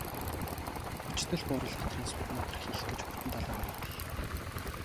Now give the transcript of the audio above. Хүчдэл бууруулах трансформатор хийх гэж бүтэн долоо хоног боллоо.